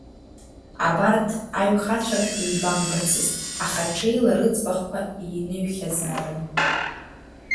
Абарҭ аҩхацәак еибамбацызт, аха ҽеила рыӡбахәқәа еиныҩхьазаарын.